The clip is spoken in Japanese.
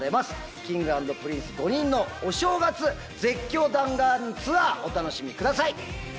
Ｋｉｎｇ＆Ｐｒｉｎｃｅ５人のお正月、絶叫弾丸ツアー、お楽しみください。